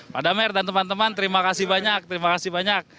pak damer dan teman teman terima kasih banyak terima kasih banyak